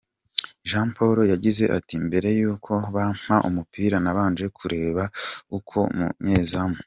Jean Paul yagize ati “Mbere yuko bampa umupira nabanje kureba uko umunyezamu